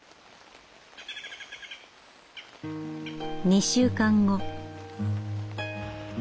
２週間後。